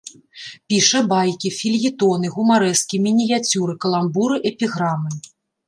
Піша байкі, фельетоны, гумарэскі, мініяцюры, каламбуры, эпіграмы.